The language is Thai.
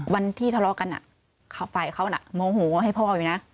วันที่ทะเลาะกันฝ่ายเขาน่ะโมโหให้พ่ออยู่นะ